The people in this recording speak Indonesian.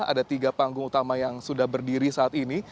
ada tiga panggung utama yang sudah berdiri saat ini